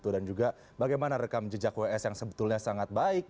dan juga bagaimana rekam jejak ws yang sebetulnya sangat baik